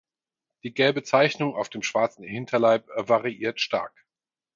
Die gelbe Zeichnung auf dem schwarzen Hinterleib variiert stark.